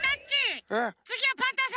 つぎはパンタンさんがおにね。